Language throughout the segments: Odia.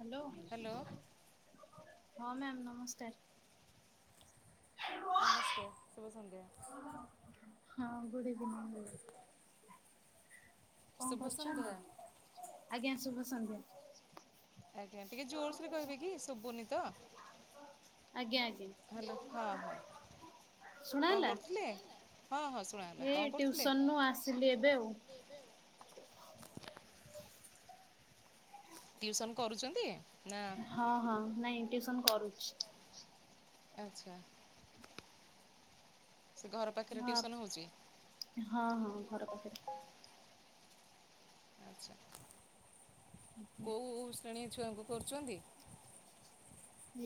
ହ୍ୟାଲୋ ହ୍ୟାଲୋ ହଁ ମ୍ୟାମ୍ ନମସ୍କାର। ନମସ୍କାର। ଶୁଭ ସନ୍ଧ୍ୟା। ହଁ ଗୁଡ ଇଭିନିଙ୍ଗ, କଣ ଶୁଭ ସନ୍ଧ୍ୟା କରୁଚନ୍ତି ଆଜ୍ଞା ଶୁଭ ସନ୍ଧ୍ୟା। ଆଜ୍ଞା ଟିକେ ଜୋର୍ ସେ କହିବେ କି ଶୁଭୁନି ତ। ଆଜ୍ଞା ଆଜ୍ଞା ହ୍ୟାଲୋ ହଁ ହଁ କଣ ଶୁଣାଗଲା? କରୁଥିଲେ? ହଁ ହଁ ଶୁଣ ଗଲା ଏ କଣ କରୁଥିଲେ? ଟ୍ୟୁସନ ରୁ ଏ ଆସିଲି ଟିୟୁସନ ରୁ ଏବେ ଆଉ ଆସିଲି ଏବେ ଆଉ। ଟିଉସନ କରୁଛନ୍ତି। ନା ହଁ ହଁ ନାଇଁ ଟ୍ୟୁସନ କରୁଛି। ଆଚ୍ଛା। ସେ ଘର ପାଖରେ ହଁ ଟିଉସନ୍ ହେଉଛି ହଁ ହଁ ଘର ପାଖରେ। ଆଛା କୋଉ ଶ୍ରେଣୀ ଛୁଆଙ୍କୁ କରୁଛନ୍ତି।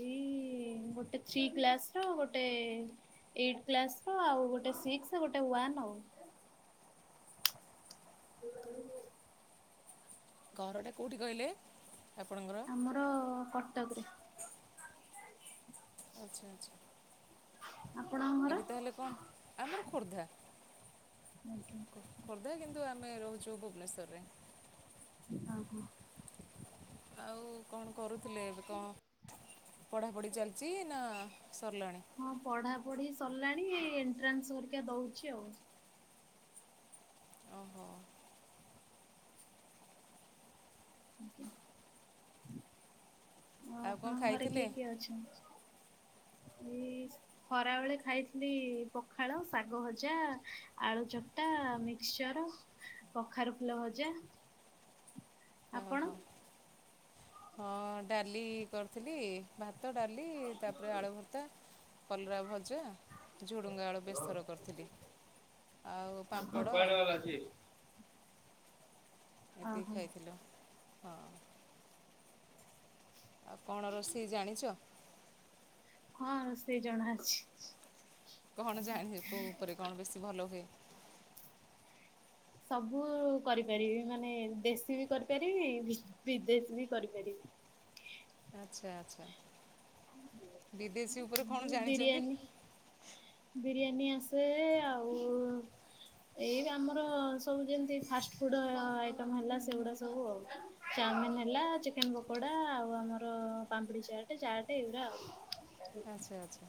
ଏଇ ଗୋଟେ ଥ୍ରୀ କ୍ଲାସ୍ ର ଗୋଟେ ଏଇଟି କ୍ଲାସ୍ ର ଆଉ ଗୋଟେ ସିକ୍ସି ଗୋଟେ ୱାନ୍। ନଉ। ହ [inaudible] ଘରଟା କୋଉଠି କହିଲେ? ଆପଣଙ୍କର ଆମର କଟକ ରେ ଆଚ୍ଛା ଆଚ୍ଛା। ଆପଣଙ୍କ ଘର? ଏବେ ତାହେଲେ କଣ ଆମର ଖୋର୍ଦ୍ଧା ଆଜ୍ଞା ଖୋର୍ଦ୍ଧା କିନ୍ତୁ ଆ ଆମେ ରହୁଛୁ ଭୁବନେଶ୍ୱରରେ। ଅହୋ। ଆଉ କଣ କରୁଥିଲେ ଏବେ କଣ? ପଢାପଢି ଚାଲିଛି ନା ସରିଲାଣି। ହଁ ପଢାପଢି ସରିଲାଣି ଏଇ ଏଣ୍ଟ୍ରାନ୍ସ ହରିକ ଦଉଛି ଆଉ। ଓହୋ। ଆ ଆଉ କ'ଣ ଆପଣଙ୍କ ଘରେ ଖାଇଥିଲେ କିଏ କିଏ ଅଛନ୍ତି। ଖରାବେଳେ ଖାଇଥିଲି ପଖାଳ ଶାଗ ଭଜା ଆଳୁ ଚକଟା ମିକ୍ସଚର କଖାରୁ ଫୁଲ ଭଜା। ଆପଣ? ଓହୋ ହଁ ଡାଲି କରିଥିଲି ଭା ଭାତ ଡାଲି ତାପରେ ଆଳୁ ଭର୍ତ୍ତା କଲରା ଭଜା ଝୁଡ଼ୁଙ୍ଗା ଆଳୁ ବେଶର କରିଥିଲି। ଆଉ ଓହୋ ପାମ୍ପଡ଼ ଆଉ। ଏତିକି ଖାଇଥିଲୁ ହଁ। ଆଉ କଣ ରୋଷେଇ ଜାଣିଛ? ହଁ, ରୋଷେଇ ଜଣା ଅଛି। କଣ ଜାଣିଏ କୋଉ ଉପରେ କଣ ବେଶୀ ଭଲ ହୁଏ? ସବୁ କରିପାରିବି, ମାନେ ଦେଶୀ ବି କରିପାରିବି, ବିଦେଶୀ ବି କରିପାରିବି। [unintelligible] ଆଛା, ଆଛା। ଜାଣିଛନ୍ତି ବିରିୟାନି, ବିରି ବିରିୟାନୀ ଆସେ। ଆଉ ଏଇ ଆମର ସବୁ ଯେମିତି ଫାଷ୍ଟଫୁଡ ଆଇଟମ୍ ହେଲା ସେଗୁଡା ସବୁ ଆଉ। ଚାଓମିନି ହେଲା ଚିକେନ ପକୋଡା ଆଉ ଆମର ପାମ୍ପିଡି ଚାଟେ ଚାଟେ ଏଇଗୁଡା ଆଉ। ଆଚ୍ଛା! ଆଚ୍ଛା!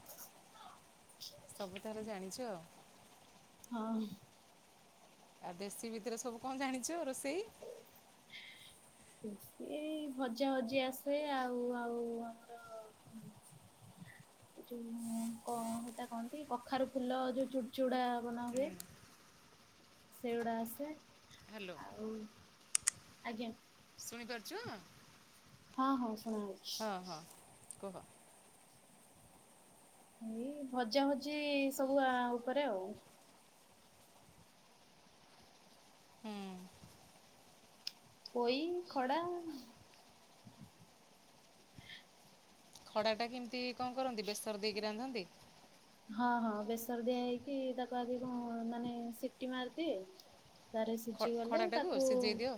ସବୁ ତାହଲେ ଜାଣିଛ। ଆଉ ହଁ। ଆଉ ଦେଶୀ ଭିତରେ ସବୁ କଣ ଜାଣିଚୁ, ରୋଷେଇ। ସେଇ ଭଜା ଭଜି ଆସେ, ଆଉ ଆଉ ଆମର। ହୁଁ ହା ଯୋଉ କ ହେଇଟା କହନ୍ତି, କଖାରୁ ଫୁଲ ଯୋଉ ଚୁଡ୍ ‌ଚୁଡା ବନା ହୁଏ। ସେଉଡା ଆସେ, ହ୍ୟାଲୋ ଆଉ। ଆଜ୍ଞା। ଶୁଣିପାରୁଚୁ। ହଁ ହଁ ଶୁଣା ହଉଚି। କୁହ। ଏଇ ଭଜାଭଜି ସବୁ ଆ ଉପରେ ଆଉ। ହୁଁ ପୋଇ, ଖଡା ଖଡା ଟା କେମିତି କଣ କରନ୍ତି, ବେସର ଦେଇକି ରାନ୍ଧନ୍ତି। ହଁ, ହଁ ବେସର ଦିଆ ହେଇକି ତାକୁ ଆଗେକୁ ମାନେ ସିଟି ମାରିଦିଏ। ତାରେ ଖ ସିଝି ଗଲେ, ଖଡ଼ାଟାକୁ ତାକୁ ସିଝେଇ ଦିଅ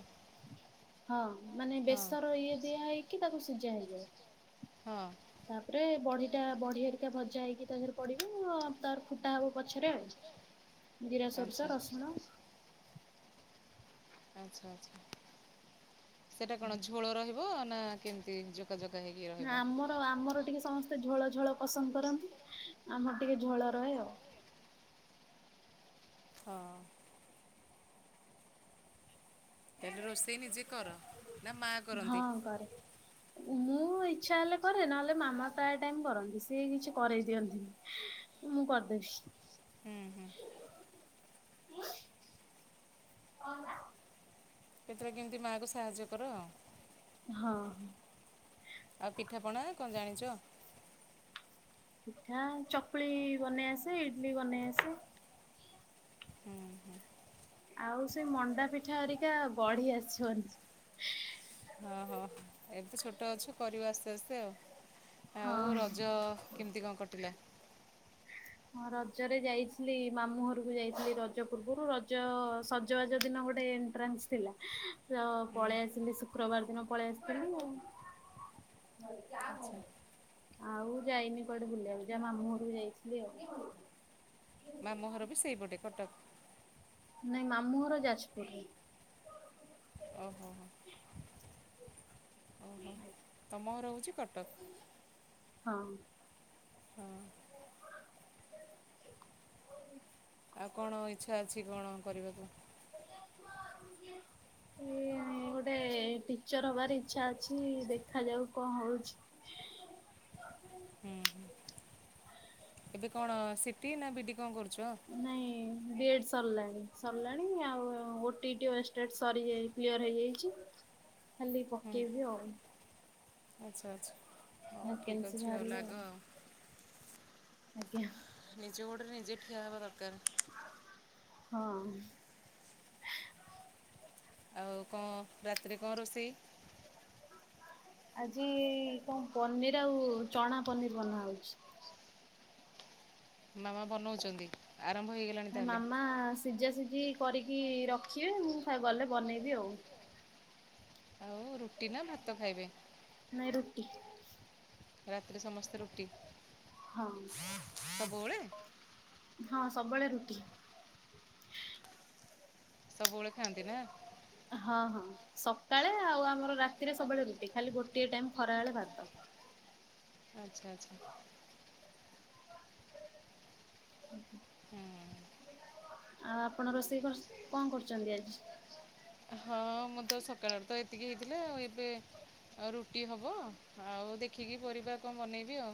ହଁ ମାନେ ହଁ ବେସର ଇଏ ଦିଆ ହେଇକି ତାକୁ ସ ସିଝା ହେଇଯାଏ, ହଁ ତାପରେ ବଢିଟା ବଢିହେରିକା ଭଜା ହେଇକି ତା ପଡିବ ତାର ଫୁଟା ହବ ପଛରେ, ଆଉ। ଜିରା, ଆଚ୍ଛା ସୋରିଷ, ରସୁଣ ଆଚ୍ଛ ଆଚ୍ଛା ସେଟା କଣ ଝୋଳ ରହିବ ନା କେମତି? ନା ଆମର ଆମର ଟିକେ ସ ଝୋଳ ଝୋଳ ପସନ୍ଦ କରନ୍ତି, ଆମର ଟିକେ ଝୋଳ ରହେ ଆଉ। ହଁ। ତାହେଲେ ରୋଷେଇ ନିଜେ କର, ନା ମାଆ କରନ୍ତି। ଉମପୁ ମୁ ଇଚ୍ଛା ହେଲେ କରେ, ନହେଲେ ମାମା ପ୍ରାଏ ଟାଇମ୍ କରନ୍ତି। ସିଏ କିଛି କରେଇ ଦିଅନ୍ତିନି, ମୁଁ ଇସ୍ ହୁଁ ହୁଁ ଙ୍କ ହେଲା? କେତେବେଳେ କେମିତି ମାଆକୁ ସାହାଯ୍ୟ କର ଆଉ। ହଁ। ଆଉ ପିଠାପଣା କଣ ଜାଣିଚ? ପିଠା ଚକୁଳି ବନେଇ ଆସେ, ଇଡଲି ବନେଇ ଆସେ। ହୁଁ ଆଉ ସେଇ ମଣ୍ଡା ପିଠା ହେରିକା ଗଢି ଆସିବନି। ହଁ ହଁ ଏବେ ଛୋଟ ଅଛୁ କରିବୁ ଆସ୍ତେ ଆସ୍ତେ ଆଉ। ଆଉ ହଁ। ରଜ କେମିତି କଣ କଟିଲା? ହଁ ରଜରେ ଯାଇଥିଲି ମାମୁ ଘରକୁ ଯାଇଥିଲି ରଜ ପୂର୍ବରୁ ରଜ ସଜବାଜ ଦିନ ଗୋଟେ ଏଣ୍ଟ୍ରାନସ୍ ଥିଲା ତ ହୁଁ ପଳେଇ ଆସିଲି ଶୁକ୍ରବାର ଦିନ ପଳେଇ ଆସିଥିଲି ଆଉ। ଆଚ୍ଛା [inaudible] ଆଉ ଯାଇନି କୁଆଡେ ବୁଲିବାକୁୁ ଯା ମାମୁଁ ଘରୁକୁ ଯାଇଥିଲି ଆଉ। ମାମୁ ଘର ବି ସେଇପଟେ କଟକ। ନାଇଁ ମାମୁଘର ଯାଜପୁରରେ। ଓହୋ। ଓହୋ। [inaudible] ତମ ଘର ହେଉଛି କଟକ ହଁ। ହଁ। [unintelligible] ଆଉ କଣ ଇଚ୍ଛା ଅଛି କଣ କରିବାକୁ? [unintelligible] ଗୋଟେ ଏ ଟିଚର ହବାର ଇଛା ଅଛି ଦେଖାଯାଉ ଙ୍କ ହଉଚି। ହୁଁ। ଏବେ କଣ ସିଟି ନା ବି ନାଇଁ [unintelligible] ସରଲାଣି ସରଲାଣି ଆଉ ଓଟିଟି ୱଷ୍ଟେଡ ସରିଯା କ୍ଲିୟର ହେଇଯାଇଚି। ଖାଲି ପକେଇବି ଆଉ। ଆଛା ଆଛା ହଉ ଠିକ ଭେକେନ୍ସି ଅଛି ଆଉ ବାହାରିଲେ ଲାଗ ଆଉ। ଆଜ୍ଞା। ନିଜ ଗୋଡ଼ରେ ନିଜେ ଠିଆ ହେବା ଦରକାର। ହଁ। ଆଉ କଣ ରାତିରେ କଣ ରୋଷେଇ? ଆଜି କଣ ପନିର ଆଉ ଚଣା ପନିର ବନା ହଉଛି। ମାମା ବନଉଛନ୍ତି? ଆରମ୍ଭ ହେଇଗଲାଣି ତାହେଲେ? ମାମା ସିଝା ସିଝି କରିକି ରଖିବେ, ମୁଁ ଗଲେ ବନେଇବି ଆଉ। ଆଉ ରୁଟି ନା ଭାତ ଖାଇବେ? ନାଇ ରୁଟି। ରାତିରେ ସମସ୍ତେ ରୁଟି, ହଁ ସବୁବେଳେ? ହଁ ସବୁବେଳେ ରୁଟି। ସବୁବେଳେ ଖାଆନ୍ତି ନା? ହଁ ହଁ ସକାଳେ ଆଉ ଆମର ରାତିରେ ସବୁବେଳେ ରୁଟି ଖାଲି ଗୋଟିଏ ଟାଇମ ଖରା ବେଳେ ଭାତ। [unintelligible] ଆଚ୍ଛା ଆଚ୍ଛା। [unintelligible] ହୁଁ ଆଉ ଆପଣ ରୋଷେଇ କରସ କଣ କରୁଛନ୍ତି ଆଜି? ହଁ ମୁଁ ତ ସକାଳରେ ତ ଏତିକି ହେଇଥିଲା ଆଉ ଏବେ ଆଉ ରୁଟି ହବ, ଆଉ ଦେଖିକି ପରିବା କଣ ବନେଇବି ଆଉ।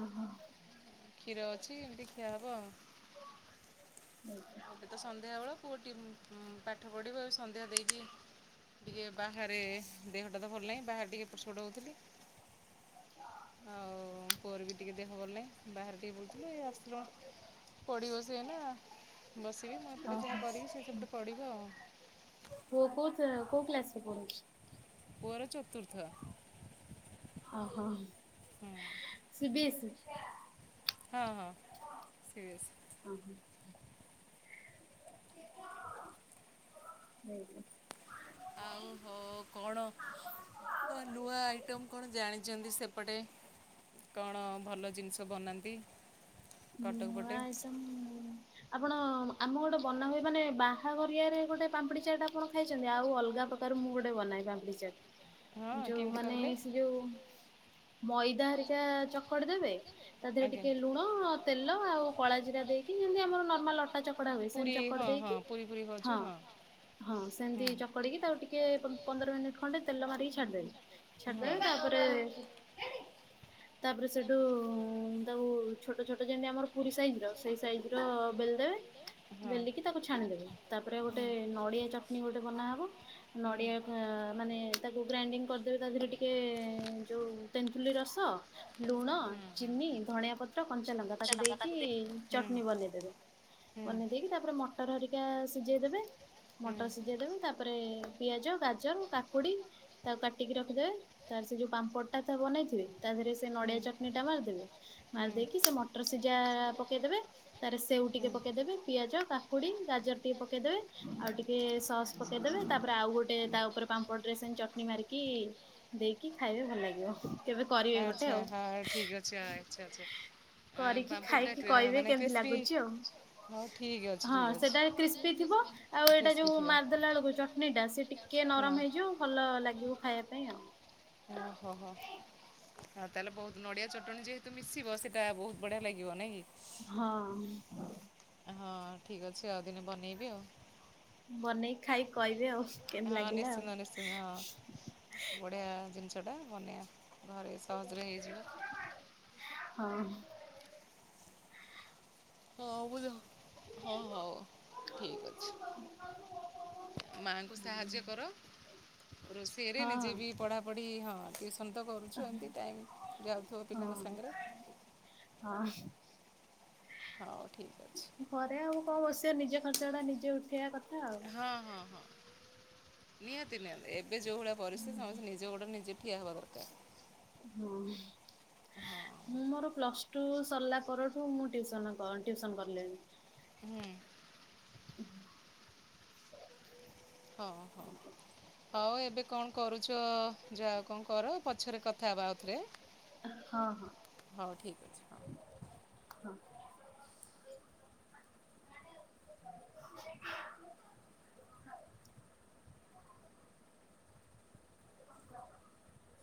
ଓ ହୋ। କ୍ଷୀର ଅଛି ଏମିତି ଖୀଆ ହବ ଆଉ। ଆଜ୍ଞା ଏବେ ତ ସନ୍ଧ୍ୟା ବେଳ ପୁଅଟି ପାଠ ପଢିବ ସନ୍ଧ୍ୟା ଦେଇକି। ଟିକେ ବାହାରେ ଦେହଟା ତ ଭଲ ନାହିଁ ବାହାରେ ଟିକେ ଏପଟ ସେପଟ ହଉଥିଲି। ଆଉ ପୁଅର ବି ଟିକେ ଦେହ ଭଲ ନାହିଁ, ବାହାରେ ଟିକେ ବୁଲୁଥିଲୁ ଏ ଆସିଲୁ। ପଢିବ ସିଏ ନା, ବସିବି ମୁଁ ଏପଟେ ଯାହା ଓହୋ। କରିବି ସେ ସେପଟେ ପଢିବ ଆଉ। ପୁଅ କୋଉଥିରେ କୋଉ କ୍ଲାସ୍ ରେ ପଢୁଛି? ର ଚତୁର୍ଥ। ଓହୋ ହୁଁ ସି ବି ଏସ ସି? ହଁ ହଁ ସି ବି ଏସ ସି। ଓହୋ। [unintelligible] ଆଉ ହଉ ଆଉ କଣ ହଁ ନୂଆ ଆଇଟମ୍ କଣ ଜାଣିଛନ୍ତି ସେପଟେ? କଣ ଭଲ ଜିନିଷ ବନାନ୍ତି? କଟକ ନୂଆ ପଟେ ଆଇଟମ ଆପଣ ଆମ ଗୋଟେ ବନା ହୁଏ ମାନେ ବାହାଘରିଆରେ ଗୋଟେ ପାମ୍ପୁଡି ଚାଟ ଆପଣ ଖାଇଛନ୍ତି, ଆଉ ଅଲଗା ପ୍ରକାର ମୁଁ ଗୋଟେ ବନାଏ ପାମ୍ପଡି ଚାଟ୍ ହଁ ଯୋଉ କେମିତି ମାନେ କହିଲେ? ସେ ଯୋଉ ମଇଦା ହେରିକା ଚକଟି ଦେବେ ତା ଦେହରେ ସେଥିରେ ଟିକେ ଲୁଣ ତେଲ ଆଉ କଳା ଜିରା ଦେଇକି ଯେମିତି ଆମର ନର୍ମାଲ ଅଟା ଚକଡା ହୁଏ ସେମତି ଚକଡି ଦେଇକି ସେମିତି ଠିକ ଅଛି ହଁ। ହଁ ସେମିତି ଚକଡିକି ତାକୁ ଟିକେ ପନ୍ଦର ମିନିଟ ଖଣ୍ଡେ ତେଲ ମାରିକି ଛା ଛାଡି ଦେବେ ହଁ ଛାଡି ଦେବେ ତାପରେ ତାପରେ ସେଠୁ ଉଁ ତାକୁ ଛୋଟ ଛୋଟ ଯେମତି ଆମର ପୁରୀ ସାଇଜ ର ସେଇ ସାଇଜ ର ବେଲି ଦେବେ। ହଁ ବେଲିକି ତାକୁ ଛାଣିଦେବେ, ତାପରେ ଗୋଟେ ହୁଁ ନଡିଆ ଚଟଣୀ ଗୋଟେ ବନାହବ, ହୁଁ ନଡିଆ ଆ ମାନେ ତାକୁ ଗ୍ରାଇଡିଙ୍ଗ୍ କରିଦେଵେ ତା ଦିହର ଟିକେ ଯଉ ତେନ୍ତୁଳି ରସ ଲୁ ଲୁଣ, ହୁଁ ଚିନି, ଧଣିିଆ ପତ୍ର, କଞ୍ଚାଲଙ୍କା। ତାକୁ ଦେଇକି ହୁଁ ହୁଁ ଚଟଣି ବନେଇଦବେ, ହୁଁ ବନେଇ ଦେଇକି ତାପରେ ମଟ ମଟର ହରିକା ସିଝେଇ ଦେବେ ହୁଁ ମଟର ସିଝେଇ ଦେବେ ତାପରେ ଏ ପିଆଜ, ଗାଜର, କାକୁଡ଼ି ତାକୁ କାଟିକି ରଖିଦେବେ ତାର ସେ ଯୋଉ ପାମ୍ପଡ଼ ଟା ତା ବନେଇଥିବେ ତା ଦେହରେ ସେ ନଡିଆ ହୁଁ ଚଟଣି ଟା ମାରିଦେବେ, ହୁଁ ମାରିଦେଇକି ସେ ମଟର ସିଝା ଆ ପକେଇଦବେ। ତାର ସେଉ ଟିକେ ହୁଁ ପକେଇଦେବେ, ପିଆଜ, କାକୁ କୁଡି ଗାଜର ଟିକେ ପକେଇଦେବେ ଆଉ ଟିକେ ସସ୍ ପକେଇଦବେ, ତାପରେ ଆଉ ଗୋଟେ ତା ଉପରେ ପାମ୍ପଡରେ ସେ ଚଟଣି ମାରିକି ଦେଇକି ଖାଇବେ ଭଲ ଲାଗିବ। କେବେ କରିବେ ଗୋଟେ ଆଚ୍ଛା ଆଉ। ହଁ ଠିକ୍ ଅଛି ଆଚ୍ଛା ଆଚ୍ଛା। ଆଁ କରିକି ପାମ୍ପଡ଼ଟା ଖାଇକି କ୍ରି କଇବେ ମାନେ କେମତି କ୍ରିସ୍ପି ଲାଗୁଚି ଆଉ। ହଉ ଠିକ୍ ଅଛି ହଁ ଠିକ୍ ଅଛି ସେଟା କ୍ରିସ୍ପି ଥିବ ଆଉ ଏଇଟା କ୍ରିସ୍ପି ଯୋଉ ଥିବ ମାରଦେଲା ବେଳକୁ ଚଟଣି ଟା ସେ ଟିକେ ଟିକେ ହଁ ନରମ ହେଇଯିବ ଭଲ ଲାଗିବୁ ଖାଇବା ପାଇଁ ଆଉ। ଅ ହୋ ହୋ। ଆଉ ତାହେଲେ ବହୁତ ନଡିଆ ଚଟଣି ଯେହେତୁ ମିଶିବ ସେଇଟା ବହୁତ ବଢ଼ିଆ ଲାଗିବ ନାଇଁ କି? ହଁ। ହଁ ଠିକ୍ ଅଛି ଆଉ ଦିନେ ବନେଇବି ଆଉ। ବନେଇକି ଖାଇକି କଇବେ ଆଉ କେମିତି ହଁ ଲାଗିଲା ଆଉ। ନିଶ୍ଚିନ୍ତ ନିଶ୍ଚିନ୍ତ ହଁ ବଢିଆ ଜିନିଷ ଟା ବନେଇବା ଘରେ ସହଜରେ ହେଇଯିବ। ଅଁ ହଁ ବୁଲହ ହଁ ହଉ ଠିକ ଅଛି। ମାଁ ଙ୍କୁ ସାହାଯ୍ୟ କର ରୋଷେଇରେ ନିଜେ ବି ହଁ ପଢାପଢି ହଁ। ଆମେ ତ କରୁଚୁ ଏମିତି ଟାଇମ୍ ଯାଉଥୁବ ପିଲାଙ୍କ ହଁ ସାଙ୍ଗରେ ହଁ। ହଉ ଠିକ୍ ଅଛି ଘରେ ଆଉ କଣ ବସିବ ନିଜ ଖର୍ଚ୍ଚ ଗୁଡା ନିଜେ ଉଠେଇିବା କଥା ଆଉ। ହଁ ହଁ ହଁ। ନିହାତି ନିହାତି ଏବେ ଜଉ ଭଳିଆ ପରିସ୍ଥିତି ସମସ୍ତେ ନିଜ ଗୋଡରେ ନିଜେ ଠିଆ ହେବା ଦରକାର ହଁ ହଁ ମୁଁ ମୋର ପ୍ଲସ ଟୁ ସରିଲା ପରଠୁ ମୁଁ ଟିଉସନ କ ଟିଉସନ୍ କଲିଣି। ହୁଁ। ଉଃ। ହଉ ହଉ [unintelligible] ହଉ ଏବେ କଣ କରୁଚ ଯାଅ କଣ କର ପଛରେ କଥା ହେବା ଆଉଥରେ। ହଁ ହଁ ହଉ ଠିକ ଅଛି ହଁ। ହଁ। [inaudible] [inaudible]